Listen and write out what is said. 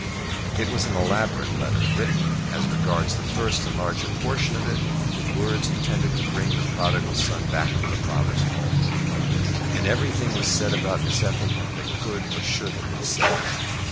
It was an elaborate letter, written, as regards the first and larger portion of it, with words intended to bring the prodigal son back to the father's home. And everything was said about Miss Effingham that could or should have been said.